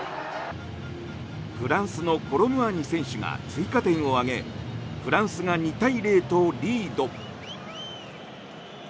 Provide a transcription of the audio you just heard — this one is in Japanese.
フランスのコロムアニ選手が追加点を挙げフランスが２対０とリード。